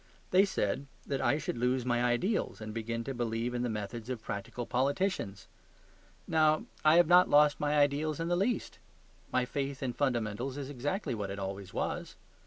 They said that I should lose my ideals and begin to believe in the methods of practical politicians. Now, I have not lost my ideals in the least; my faith in fundamentals is exactly what it always was.